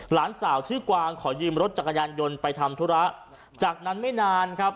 หลานสาวชื่อกวางขอยืมรถจักรยานยนต์ไปทำธุระจากนั้นไม่นานครับ